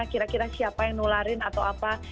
kira kira siapa yang nularin atau apa